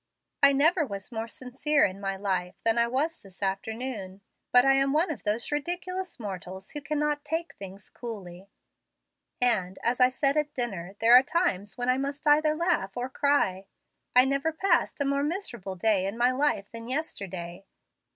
"I never was more sincere in my life than I was this afternoon, but I am one of those ridiculous mortals who cannot take things coolly, and, as I said at dinner, there are times when I must either laugh or cry. I never passed a more miserable day in my life than yesterday.